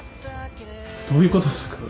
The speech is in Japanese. どういうことですか？